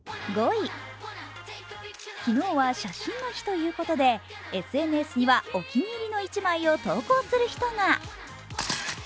昨日は写真の日ということで、ＳＮＳにはお気に入りの１枚を投稿する人が。